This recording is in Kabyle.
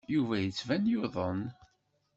Yuba yettban yuḍen.